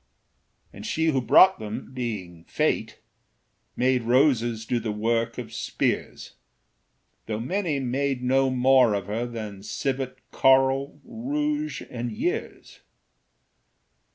And she who brought them, being Fate, Made roses do the work of spears, Though many made no more of her Than civet, coral, rouge, and years.